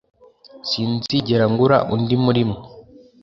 Sinzigera ngura undi murimwe